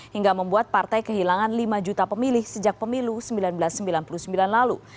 hingga membuat partai kehilangan lima juta pemilih sejak pemilu seribu sembilan ratus sembilan puluh sembilan lalu